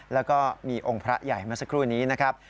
แล้วก็มีองค์พระใหญ่เมื่อสักครู่นี้นะครับ